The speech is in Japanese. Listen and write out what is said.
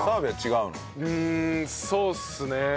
うーんそうっすね。